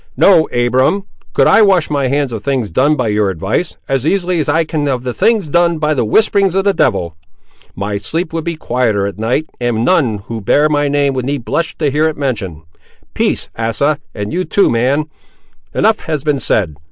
No, Abiram; could I wash my hands of things done by your advice, as easily as I can of the things done by the whisperings of the devil, my sleep would be quieter at night, and none who bear my name need blush to hear it mentioned. Peace, Asa, and you too, man; enough has been said.